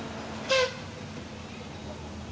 สวัสดีครับทุกคน